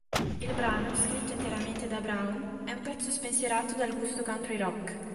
Il brano, scritto interamente da Browne, è un pezzo spensierato dal gusto country-rock.